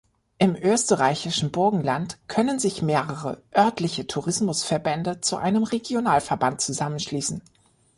Im österreichischen Burgenland können sich mehrere örtliche Tourismusverbände zu einem Regionalverband zusammenschließen.